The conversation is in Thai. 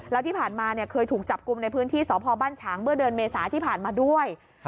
แล้วที่ผ่านมาเคยถูกจับกลุ่มในพื้นที่สพบ้านฉางเมื่อเดือนเมษาที่ผ่านมาด้วย